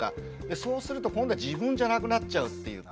そうすると今度は自分じゃなくなっちゃうっていうか。